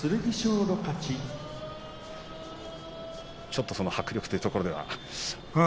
ちょっと迫力というところでは。